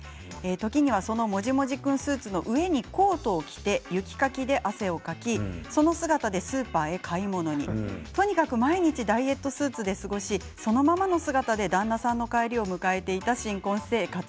時にはそのもじもじ君スーツの上にコートを着て雪かきで汗をかきその姿でスーパーで買い物にとにかく毎日ダイエットスーツで過ごしそのままの姿で旦那さんの帰りを迎えていた新婚生活。